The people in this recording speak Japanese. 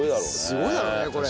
すごいだろうねこれ。